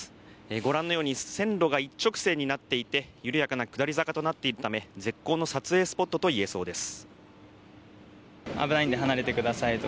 ご覧のように線路が一直線になっていて緩やかな下り坂となっているため絶好の撮影スポットと言えそうです。